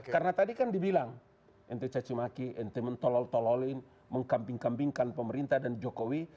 karena tadi kan dibilang ente cacimaki ente mentolol tololin mengkamping kampingkan pemerintah dan jokowi